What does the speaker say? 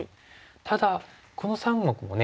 ただこの３目もね